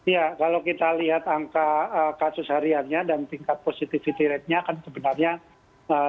ya kalau kita lihat angka kasus hariannya dan tingkat positivity ratenya kan sebenarnya